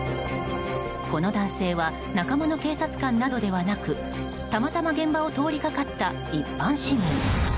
この男性は仲間の警察官などではなくたまたま現場を通りかかった一般市民。